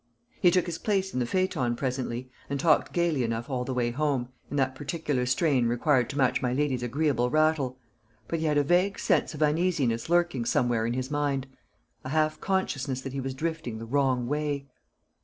He took his place in the phaeton presently, and talked gaily enough all the way home, in that particular strain required to match my lady's agreeable rattle; but he had a vague sense of uneasiness lurking somewhere in his mind, a half consciousness that he was drifting the wrong way.